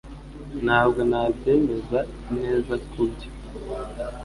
Ntabwo nabyemeza neza kubyo